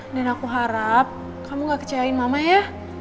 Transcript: dan aku harap kamu gak kecewain mama ya